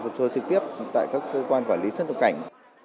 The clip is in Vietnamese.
rồi trực tiếp tại các cơ quan quản lý xuất nhập cảnh